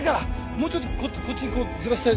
もうちょっとこっちにこうずらして。